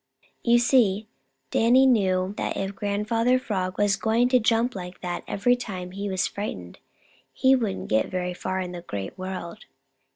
You see, Danny knew that if Grandfather Frog was going to jump like that every time he was frightened, he wouldn't get very far in the Great World.